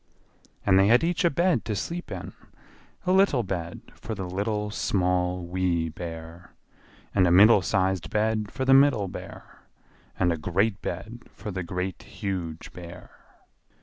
And they had each a bed to sleep in: a little bed for the Little, Small, Wee Bear; and a middle sized bed for the Middle Bear; and a great bed for the Great, Huge Bear.